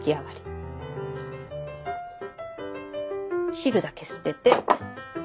汁だけ捨てて。